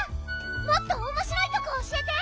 もっとおもしろいとこおしえて！